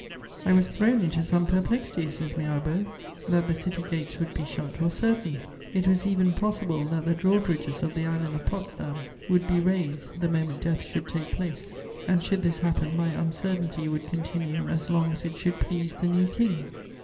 "I was thrown into some perplexity," says Mirabeau. "That the city gates would be shut was certain; it was even possible that the drawbridges of the island of Potsdam would be raised the moment death should take place, and should this happen my uncertainty would continue as long as it should please the new King.